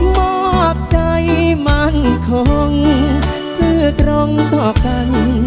มอบใจมั่นคงซื้อตรงต่อกัน